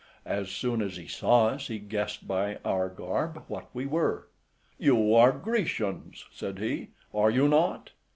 As soon as he saw us, he guessed by our garb what we were. "You are Grecians," said he, "are you not?"